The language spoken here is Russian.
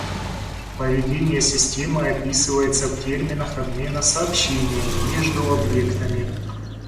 Поведение системы описывается в терминах обмена сообщениями между объектами